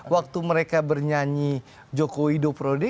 waktu mereka bernyanyi jokowi dua pre ode